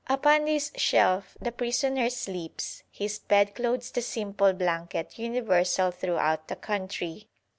Upon this shelf the prisoner sleeps, his bed clothes the simple blanket universal throughout the country.